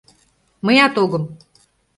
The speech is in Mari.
Мыят огым!